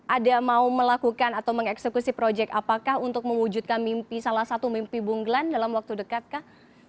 ada mau melakukan atau mengeksekusi project apakah untuk mewujudkan mimpi salah satu mimpi bung glenn dalam waktu dekat kah